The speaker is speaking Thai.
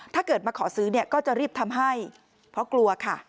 ถ้าเกิดมาขอซื้อเนี่ยก็จะรีบทำให้เพราะกลัวค่ะ